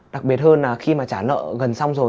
đặc biệt hơn là khi mà trả lợi gần xong rồi